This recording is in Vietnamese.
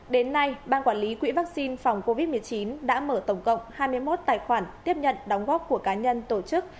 đến nay ban quản lý quỹ vaccine phòng covid một mươi chín đã mở tổng cộng hai mươi một tài khoản tiếp nhận đóng góp của cá nhân tổ chức